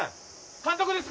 監督です。